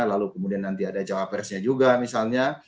lalu kemudian nanti ada cawapresnya juga misalnya